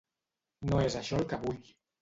No és això el que vull.